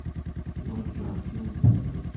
Ḥwaǧeɣ kra n tafat.